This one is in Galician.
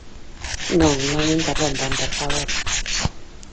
Non, non interrompan, por favor.